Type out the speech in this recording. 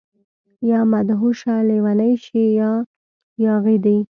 يا مدهوشه، لیونۍ شي يا ياغي دي